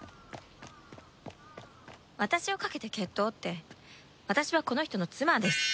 私を懸けて決闘って私はこの人の妻です。